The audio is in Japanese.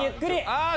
ああ！